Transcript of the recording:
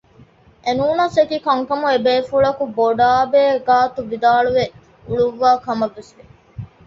އެނޫނަސް އެކިކަންކަމު އެބޭފުޅަކު ބޮޑާބޭ ގާތު ވިދާޅުވެ އުޅުއްވާ ކަމަށް ވެސް ވެ